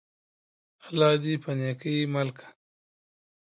الله دي په نيکۍ مل که!